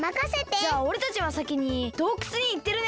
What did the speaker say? じゃあおれたちはさきにどうくつにいってるね。